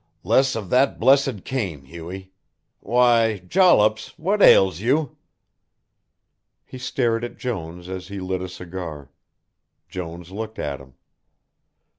"Less of that blessed cane, Hughie why, Jollops, what ails you?" He stared at Jones as he lit a cigar. Jones looked at him.